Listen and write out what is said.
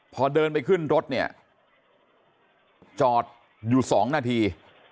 พอเดินไปขึ้นรถเนี่ยจอดอยู่๒นาที